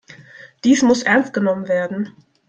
Dies muss ernstgenommen werden.